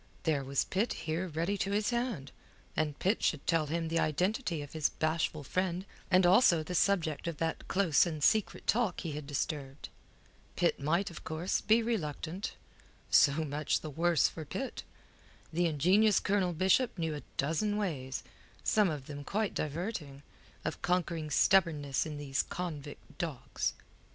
There was Pitt here ready to his hand, and Pitt should tell him the identity of his bashful friend, and also the subject of that close and secret talk he had disturbed. Pitt might, of course, be reluctant. So much the worse for Pitt. The ingenious Colonel Bishop knew a dozen ways some of them quite diverting of conquering stubbornness in these convict dogs.